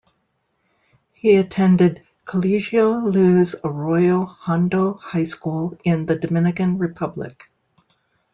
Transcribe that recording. He attended Colegio Luz Arroyo Hondo High School in the Dominican Republic.